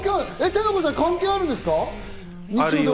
天の声さん、関係あるんですか？